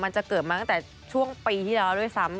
จะเกิดมาตั้งแต่ช่วงปีที่แล้วด้วยซ้ำ